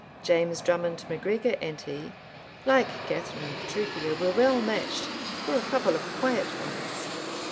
James Drummond MacGregor and he, like Katherine and Petruchio, were well matched "for a couple of quiet ones."